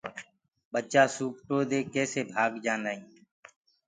ڀچآ سوپٽوُ ديک ڪي ڀآگ گآ۔